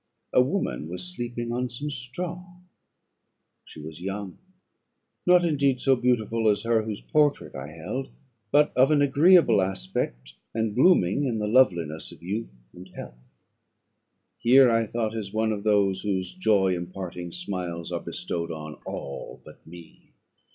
A woman was sleeping on some straw; she was young: not indeed so beautiful as her whose portrait I held; but of an agreeable aspect, and blooming in the loveliness of youth and health. Here, I thought, is one of those whose joy imparting smiles are bestowed on all but me.